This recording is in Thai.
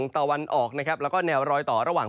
ตะวันออกนะครับแล้วก็แนวรอยต่อระหว่าง